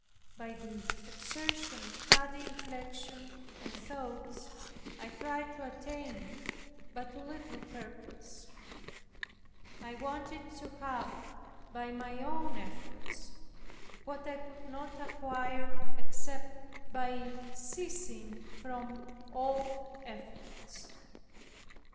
By the exertion of studied reflection and thoughts I tried to attain it but to little purpose. I wanted to have, by my own efforts, what I could not acquire except by ceasing from all efforts.